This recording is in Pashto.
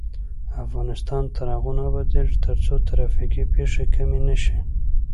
افغانستان تر هغو نه ابادیږي، ترڅو ترافیکي پیښې کمې نشي.